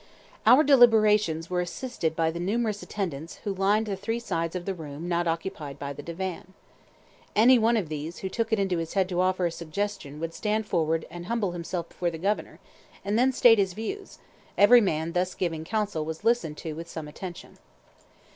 Our deliberations were assisted by the numerous attendants who lined the three sides of the room not occupied by the divan. Any one of these who took it into his head to offer a suggestion would stand forward and humble himself before the Governor, and then state his views; every man thus giving counsel was listened to with some attention.